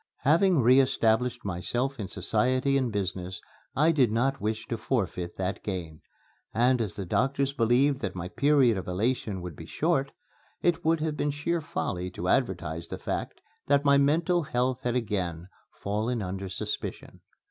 Having re established myself in society and business I did not wish to forfeit that gain; and as the doctors believed that my period of elation would be short, it would have been sheer folly to advertise the fact that my mental health had again fallen under suspicion.